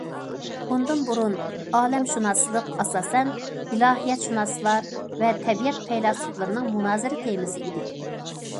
ئۇندىن بۇرۇن ئالەمشۇناسلىق ئاساسەن ئىلاھىيەتشۇناسلار ۋە تەبىئەت پەيلاسوپلىرىنىڭ مۇنازىرە تېمىسى ئىدى.